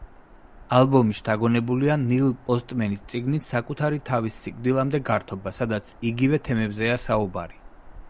ალბომი შთაგონებულია ნილ პოსტმენის წიგნით „საკუთარი თავის სიკვდილამდე გართობა“, სადაც იგივე თემებზეა საუბარი.